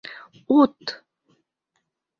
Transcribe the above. — Ут!